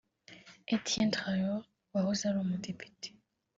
Étienne Traoré wahoze ari umudepite